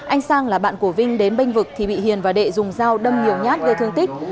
anh sang là bạn của vinh đến bên vực thì bị hiền và đệ dùng dao đâm nhiều nhát gây thương tích